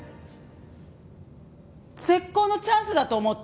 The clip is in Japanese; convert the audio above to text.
絶好のチャンスだと思ったの。